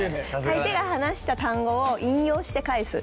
相手が話した単語を引用して返す。